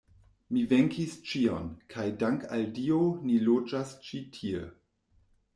Mi venkis ĉion, kaj dank' al Dio ni loĝas ĉi tie.